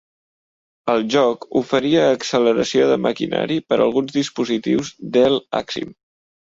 El joc oferia acceleració de maquinari per a alguns dispositius Dell Axim.